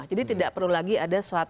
jadi tidak perlu lagi ada suatu parah parah